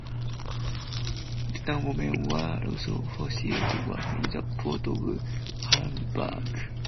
Dutch women were also forced to work in the port of Horneburg.